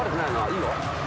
いいよ。